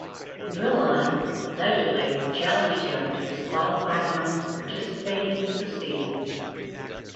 Drilon allegedly challenged him to disqualify him from participating in the proceedings.